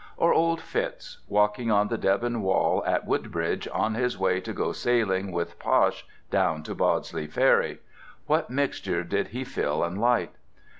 Or old Fitz, walking on the Deben wall at Woodbridge, on his way to go sailing with Posh down to Bawdsey Ferry—what mixture did he fill and light?